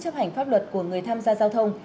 chấp hành pháp luật của người tham gia giao thông